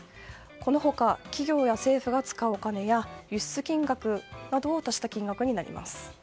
この他、企業や政府が使うお金や輸出金額などを足した金額になります。